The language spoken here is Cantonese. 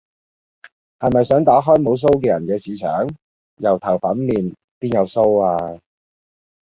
係咪想打開無鬚嘅人嘅巿場？油頭粉面，邊有鬚呀？